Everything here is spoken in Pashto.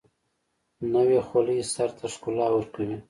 نوې خولۍ سر ته ښکلا ورکوي